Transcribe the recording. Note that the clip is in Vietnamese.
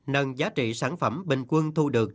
năng giá trị sản phẩm bình quân thu được